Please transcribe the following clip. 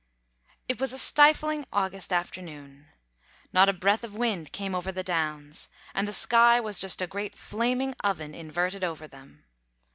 It was a stifling August afternoon. Not a breath of wind came over the downs, and the sky was just a great flaming oven inverted over them.